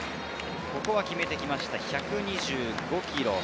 決めてきました、１２５キロ。